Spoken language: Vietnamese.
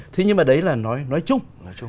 thế nhưng mà đấy là nói chung